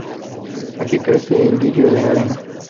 Aquí crece el lirio de arena.